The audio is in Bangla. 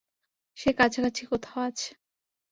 সে কাছাকাছি কোথাও আছে।